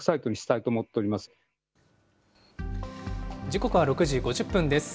時刻は６時５０分です。